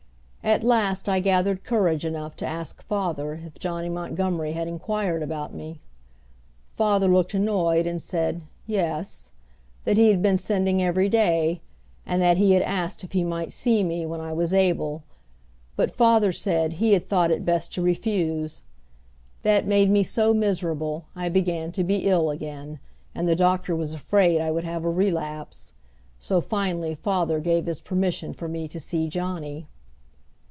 At last I gathered courage enough to ask father if Johnny Montgomery had inquired about me. Father looked annoyed, and said, "Yes," that he had been sending every day, and that he had asked if he might see me when I was able, but, father said, he had thought it best to refuse. That made me so miserable I began to be ill again, and the doctor was afraid I would have a relapse; so finally father gave his permission for me to see Johnny.